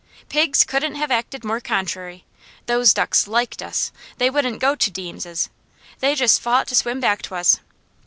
Pigs couldn't have acted more contrary. Those ducks LIKED us. They wouldn't go to Deams'. They just fought to swim back to us.